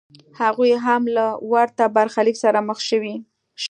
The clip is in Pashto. هغوی هم له ورته برخلیک سره مخ شول.